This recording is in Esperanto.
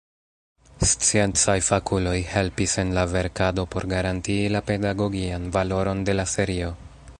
Sciencaj fakuloj helpis en la verkado por garantii la pedagogian valoron de la serio.